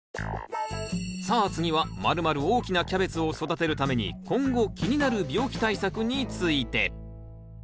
さあ次はまるまる大きなキャベツを育てるために今後気になる病気対策について。